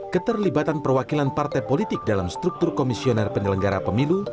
keterlibatan perwakilan partai politik dalam struktur komisioner penyelenggara pemilu